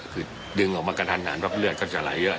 คือดึงออกมากันทันเพราะเลือดก็จะไหลเยอะ